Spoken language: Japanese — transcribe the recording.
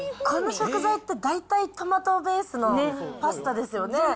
この食材って、大体、トマトベースのパスタですよね。